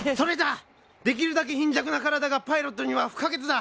できるだけ貧弱な体がパイロットには不可欠だ！